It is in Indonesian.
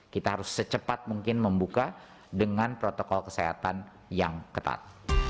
kita harus secepat mungkin membuka dengan protokol kesehatan yang ketat